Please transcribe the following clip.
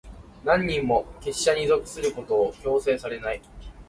何人も、結社に属することを強制されない。